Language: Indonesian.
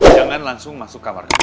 jangan langsung masuk kamarnya